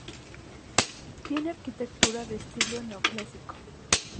Tiene arquitectura de estilo neoclásico.